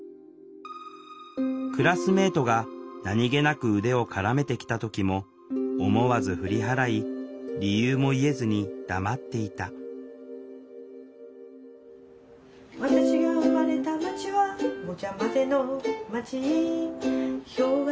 クラスメートが何気なく腕を絡めてきた時も思わず振り払い理由も言えずに黙っていた私が生まれた街はごちゃまぜの街ヒョウ柄